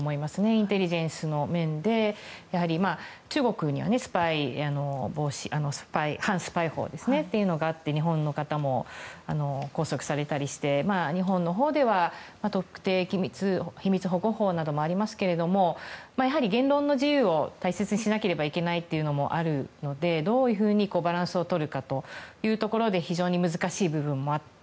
インテリジェンスの面で中国には反スパイ法というのがあって日本の方も拘束されたりして日本のほうでは特定秘密保護法などもありますが言論の自由を大切にしなければいけないというのもあるのでどういうふうにバランスをとるかということで非常に難しい部分もあって。